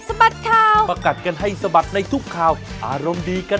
สวัสดีค่ะ